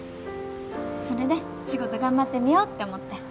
それで仕事頑張ってみようって思って！